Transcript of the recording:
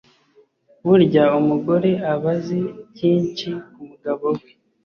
burya umugore aba azi byinshi ku mugabo we